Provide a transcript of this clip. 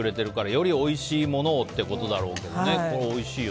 よりおいしいものをってことだろうけどね。